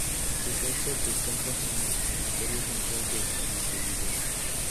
Sus restos descansan en el Cementerio central de Montevideo.